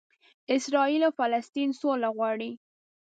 اسراییل او فلسطنینان سوله غواړي.